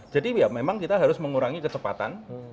jadi ya memang kita harus mengurangi kecepatan